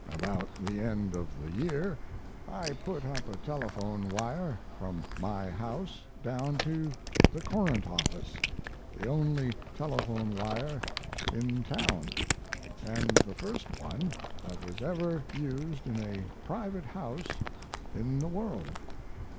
About the end of the year I put up a telephone wire from my house down to the Courant office, the only telephone wire in town, and the first one that was ever used in a private house in the world.